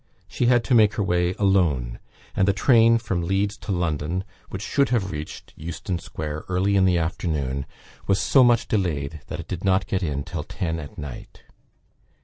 She had to make her way alone; and the train from Leeds to London, which should have reached Euston square early in the afternoon, was so much delayed that it did not get in till ten at night.